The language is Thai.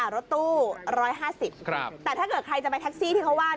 รถตู้๑๕๐แต่ถ้าเกิดใครจะไปแท็กซี่ที่เขาว่า